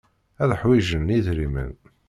Ad ḥwijen idrimen.